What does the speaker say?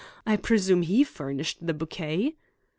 I presume he furnished the bouquet.